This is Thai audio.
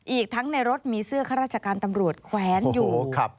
อีกทั้งในรถมีเสื้อข้าราชการตำรวจแขวนอยู่